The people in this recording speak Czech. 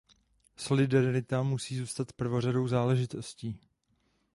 Solidarita musí zůstat prvořadou záležitostí.